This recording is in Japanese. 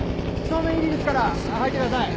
正面入り口から入ってください。